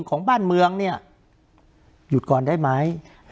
คุณลำซีมัน